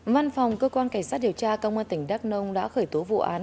măn phòng cơ quan cảnh sát điều tra công an tỉnh đắk nông đã khởi tố vụ án